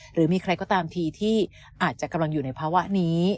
หรือมีใครก็ตามทีที่อาจจะกำลังอยู่ในภาวะนี้